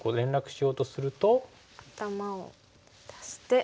頭を出して。